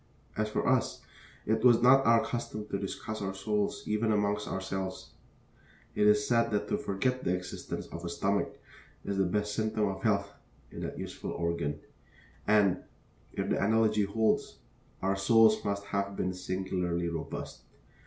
As for us, it was not our custom to discuss our souls, even among ourselves. It is said that to forget the existence of a stomach is the best symptom of health in that useful organ, and, if the analogy holds, our souls must have been singularly robust.